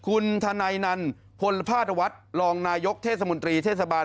คุณธนัยนันพลภาษวัฒน์รองนายกเทศมนตรีเทศบาล